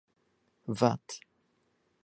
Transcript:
Vat.